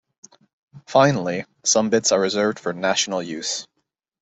Finally, some bits are reserved for national use.